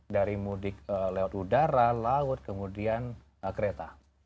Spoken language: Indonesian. dari mudik lewat udara laut kemudian kereta